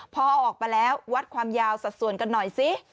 พอออกมาแล้ววัดความยาวสัดส่วนกันหน่อยสิ